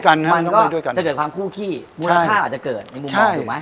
จะเกิดความคู่ขี้มูลค่าอาจจะเกิดในมุมมองถูกไหม